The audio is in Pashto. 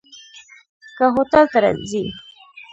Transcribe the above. که هوټل ته ځي.